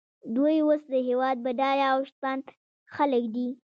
دوی اوس د هېواد بډایه او شتمن خلک دي